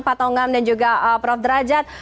pak tongam dan juga prof derajat